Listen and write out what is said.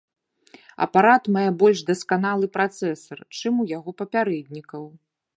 Апарат мае больш дасканалы працэсар, чым у яго папярэднікаў.